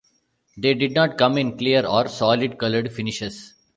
They did not come in clear or solid colored finishes.